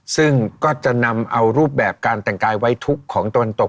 ซึ่งก็จะนำเอารูปแบบการแต่งกายไว้ทุกข์ของตะวันตก